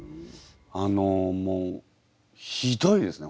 あのもうひどいですね